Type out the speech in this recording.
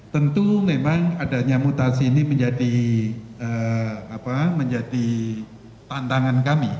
tentu memang adanya mutasi ini menjadi tantangan kami